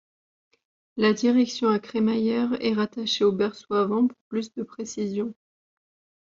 La direction à crémaillère est rattachée au berceau avant pour plus de précision.